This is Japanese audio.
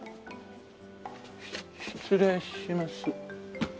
失礼します。